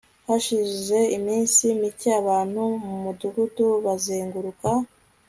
hashize iminsi mike abantu mumudugudu bazenguruka